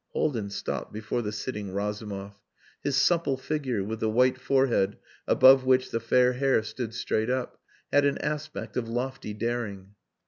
Haldin stopped before the sitting Razumov. His supple figure, with the white forehead above which the fair hair stood straight up, had an aspect of lofty daring.